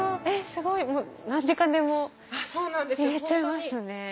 すごい何時間でもいれちゃいますね。